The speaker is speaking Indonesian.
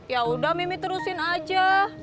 yaudah mimih terusin aja